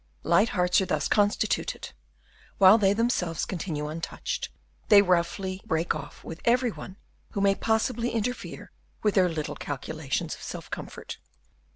Light hearts are thus constituted; while they themselves continue untouched, they roughly break off with every one who may possibly interfere with their little calculations of self comfort.